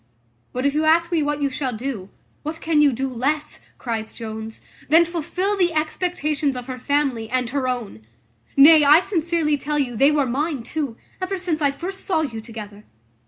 But if you ask me what you shall do, what can you do less," cries Jones, "than fulfil the expectations of her family, and her own? Nay, I sincerely tell you, they were mine too, ever since I first saw you together.